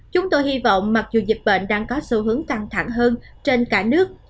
chúng tôi hy vọng mặc dù dịch bệnh đang có xu hướng căng thẳng hơn trên cả nước